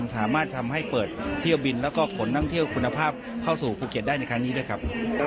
สามารถทำให้เปิดเที่ยวบินแล้วก็ขนท่องเที่ยวคุณภาพเข้าสู่ภูเก็ตได้ในครั้งนี้ด้วยครับ